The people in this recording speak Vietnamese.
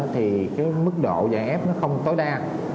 thì cái mức độ giải f nó không tối đa